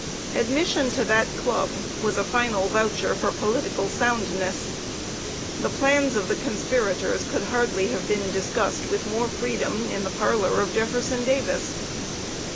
Admission to that club was a final voucher for political soundness. The plans of the conspirators could hardly have been discussed with more freedom in the parlor of Jefferson Davis.